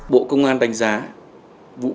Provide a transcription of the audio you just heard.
bộ công an đánh giá vụ việc xảy ra tại huyện trư quỳnh